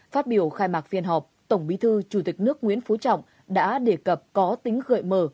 phát biểu khai mạc phiên họp tổng bí thư chủ tịch nước nguyễn phú trọng đã đề cập có tính gợi mở